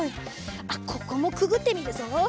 あっここもくぐってみるぞ。